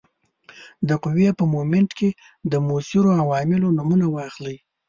د قوې په مومنټ کې د موثرو عواملو نومونه واخلئ.